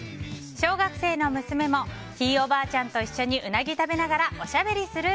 小学生の娘もひいおばあちゃんと一緒にうなぎ食べながらおしゃべりする！